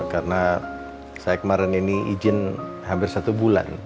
karena saya kemarin ini izin hampir satu bulan